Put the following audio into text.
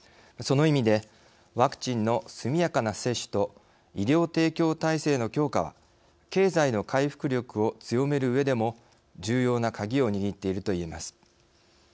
その意味でワクチンの速やかな接種と医療提供体制の強化は経済の回復力を強めるうえでも重要なカギを握っているといえます。